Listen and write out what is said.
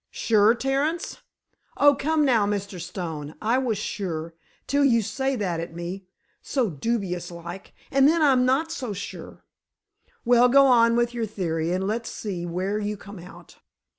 "Sure, Terence?" "Oh, come now, Mr. Stone—I was sure, till you say that at me, so dubious like—and then I'm not so sure." "Well, go on with your theory, and let's see where you come out.